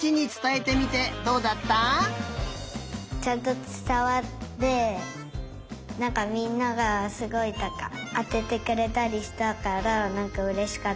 ちゃんとつたわってなんかみんながすごいとかあててくれたりしたからなんかうれしかった。